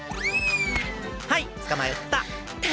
はいつかまえた。